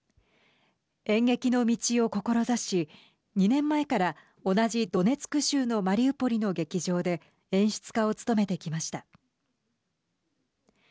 演劇の道を志し２年前から同じドネツク州のマリウポリの劇場で演出家を務めてきました。